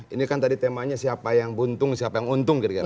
ini kan tadi temanya siapa yang buntung siapa yang untung kira kira